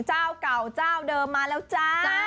เจ้าเก่าเจ้าเดิมมาแล้วจ้า